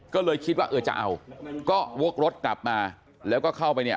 ก็เลยคิดว่าเออจะเอาก็วกรถกลับมาแล้วก็เข้าไปเนี่ย